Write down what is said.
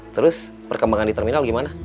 terus perkembangan di terminal gimana